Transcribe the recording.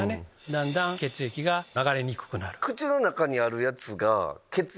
だんだん血液が流れにくくなる。